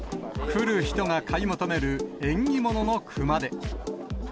来る人が買い求める、縁起物の熊手。